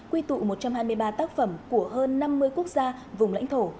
quy tụ một trăm hai mươi ba tác phẩm của hơn năm mươi quốc gia vùng lãnh thổ